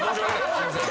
すいません。